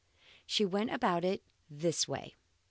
She went about it in this way.